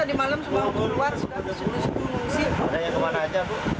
ada yang kemana aja bu